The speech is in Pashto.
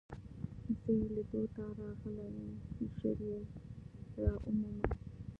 زه يې لیدو ته راغلی یم، ژر يې را ومومه.